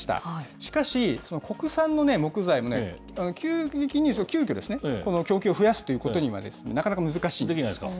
しかし、国産の木材の急きょ、この供給を増やすということにまで、なかなか難しいんです。